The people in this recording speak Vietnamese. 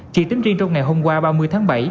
chỉ tính riêng trong ngày hôm qua ba mươi tháng bảy